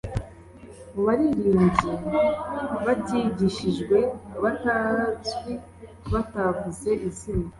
mu baririmbye batigishijwe, batazwi, batavuze izina,